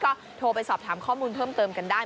ก็โทรไปสอบถามข้อมูลเพิ่มเติมกันได้